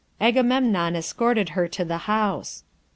Agamemnon escorted her to the house.